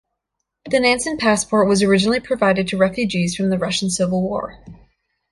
The Nansen passport was originally provided to refugees from the Russian civil war.